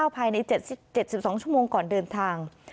ภายใน๗๒ชั่วโมงก่อนเดินทาง